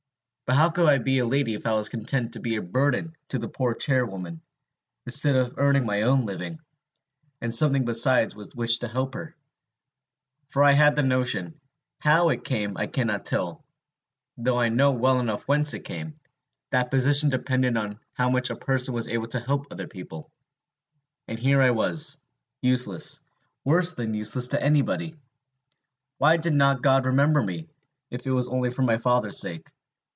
But how could I be a lady if I was content to be a burden to a poor charwoman, instead of earning my own living, and something besides with which to help her? For I had the notion how it came I cannot tell, though I know well enough whence it came that position depended on how much a person was able to help other people; and here I was, useless, worse than useless to anybody! Why did not God remember me, if it was only for my father's sake?